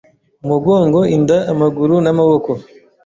umugongo, inda, amaguru n’amaboko